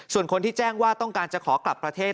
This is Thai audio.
ส่วนคนที่แจ้งว่าต้องการจะขอกลับประเทศ